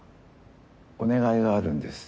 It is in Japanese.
お願いがあるんです。